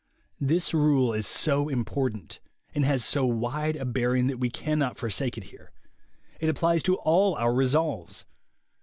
This rule is so important, and has so wide a bearing, that we cannot forsake it here. It applies to all our resolves.